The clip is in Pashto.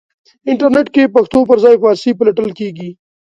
انټرنېټ کې پښتو پرځای فارسی پلټل کېږي.